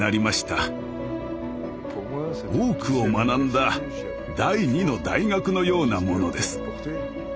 多くを学んだ第二の大学のようなものです。